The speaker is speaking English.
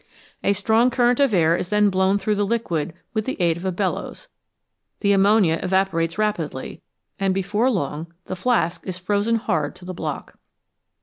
A strong current of air is then blown through the liquid with the aid of a bellows ; the ammonia evaporates rapidly, and before long the flask is frozen hard to the block.